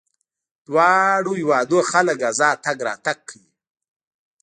دواړو هېوادونو خلک ازاد تګ راتګ کوي.